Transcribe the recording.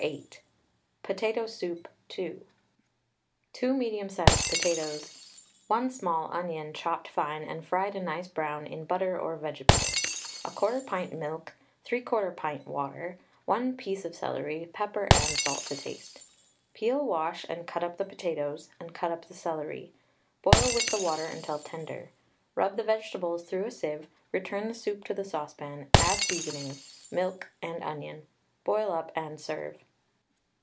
No. 8. POTATO SOUP (2). 2 medium sized potatoes, 1 small onion chopped fine, and fried a nice brown in butter or vege butter, 1/4 pint milk, 3/4 pint water, 1 piece of celery, pepper and salt to taste. Peel, wash, and cut up the potatoes, and cut up the celery. Boil with the water until tender. Rub the vegetables through a sieve, return the soup to the saucepan, add seasoning, milk, and onion; boil up and serve.